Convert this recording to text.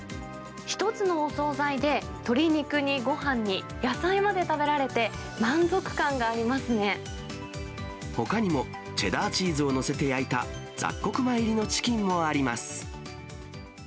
一つのお総菜で鶏肉にごはんに野菜まで食べられて、満足感がありほかにも、チェダーチーズを載せて焼いた雑穀米入りのチキンもあります。